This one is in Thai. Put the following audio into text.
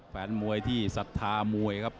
แฟนมวยที่ศรัทธามวยครับ